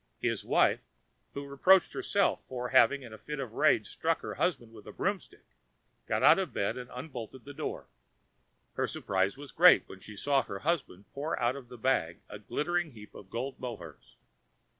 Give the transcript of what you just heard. His wife, who reproached herself for having in a fit of rage struck her husband with a broomstick, got out of bed and unbolted the door. Her surprise was great when she saw her husband pour out of the bag a glittering heap of gold mohurs.